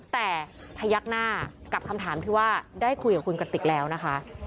แต่พยักหน้ากับคำถามที่ว่าได้คุยกับคุณกติกแล้วนะคะ